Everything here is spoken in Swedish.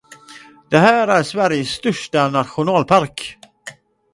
Det här är Sveriges största nationalpark.